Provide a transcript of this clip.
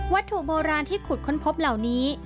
ถูกโบราณที่ขุดค้นพบเหล่านี้